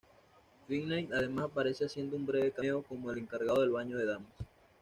Finney además aparece haciendo un breve cameo como el encargado del baño de damas.